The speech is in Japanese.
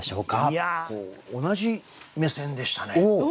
いや同じ目線でしたね。